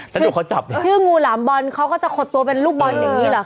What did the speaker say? แล้วดูเขาจับคืองูหลามบอลเขาก็จะขดตัวเป็นลูกบอลอย่างงี้หรอคะ